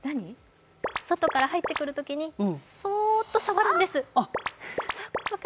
外から入ってくるときにそーっと触るんです。